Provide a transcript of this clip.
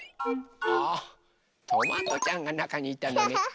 あトマトちゃんがなかにいたのね。